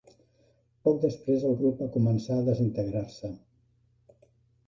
Poc després el grup va començar a desintegrar-se.